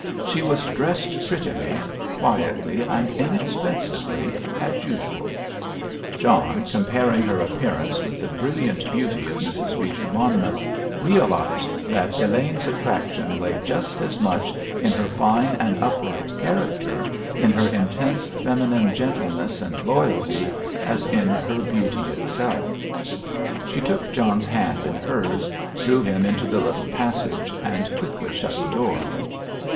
She was dressed prettily, quietly and inexpensively as usual. John, comparing her appearance with the brilliant beauty of Mrs. Beecher Monmouth, realised that Elaine's attraction lay just as much in her fine and upright character, in her intense feminine gentleness and loyalty, as in her beauty itself. She took John's hand in hers, drew him into the little passage, and quickly shut the door.